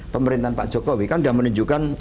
pemerintahan pak jokowi kan sudah menunjukkan